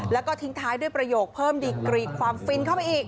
แล้วก็ทิ้งท้ายด้วยประโยคเพิ่มดีกรีความฟินเข้าไปอีก